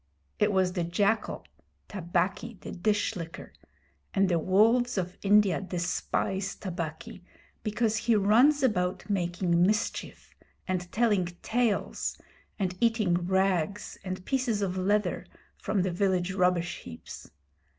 It was the jackal Tabaqui, the Dish licker and the wolves of India despise Tabaqui because he runs about making mischief, and telling tales, and eating rags and pieces of leather from the village rubbish heaps.